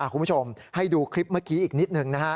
คุณผู้ชมให้ดูคลิปเมื่อกี้อีกนิดหนึ่งนะฮะ